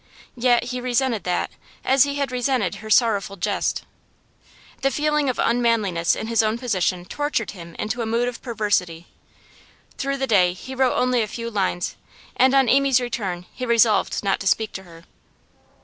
Yet he resented that, as he had resented her sorrowful jest. The feeling of unmanliness in his own position tortured him into a mood of perversity. Through the day he wrote only a few lines, and on Amy's return he resolved not to speak to her.